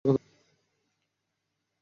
সরকার উৎখাত করবে?